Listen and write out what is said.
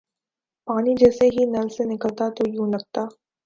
پانی جیسے ہی نل سے نکلتا تو یوں لگتا